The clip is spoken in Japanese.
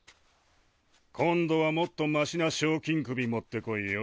今度はもっとマシな賞金首持って来いよ。